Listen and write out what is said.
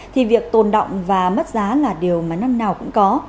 thì việc tồn động và mất giá là điều mà năm nào cũng có